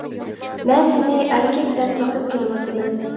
-مەن سېنى ئەركەك دەپ بېقىپ كېلىۋاتىمەن.